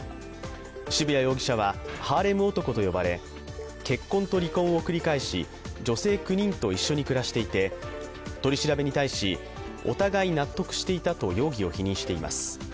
渋谷容疑者はハーレム男と呼ばれ結婚と離婚を繰り返し女性９人と一緒に暮らしていて取り調べに対しお互い納得していたと容疑を否認しています。